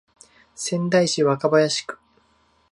仙台市若林区